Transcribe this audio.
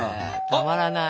たまらない。